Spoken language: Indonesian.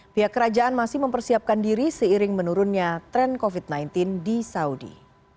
pihak kerajaan masih mempersiapkan diri seiring menurunnya tren covid sembilan belas di saudi